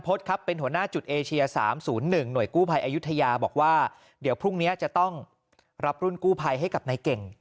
เป็นหัวหน้าจุดเอเชียสามศูนย์หน่วยกู้ภัยอายุธยาบอกว่าจะต้องรับรุ่นกู้ภัยให้กับนายเก่ง